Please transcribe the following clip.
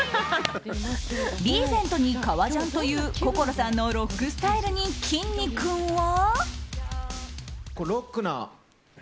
リーゼントに革ジャンという心さんのロックスタイルにきんに君は。